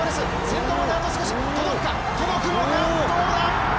先頭まであと少し、届くか、届くのか、どうだ！？